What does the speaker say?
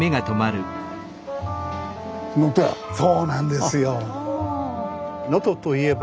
そうなんですよ。